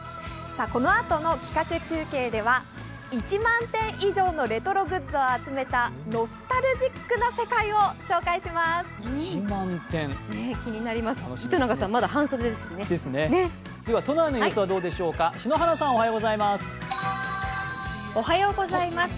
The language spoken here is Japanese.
このあとの企画中継では１万点以上のレトログッズを集めたノスタルジックな世界を紹介します。